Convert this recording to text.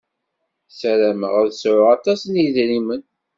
Sarameɣ ad sɛuɣ aṭas n yedrimen.